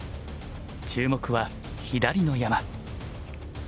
注目は左の山。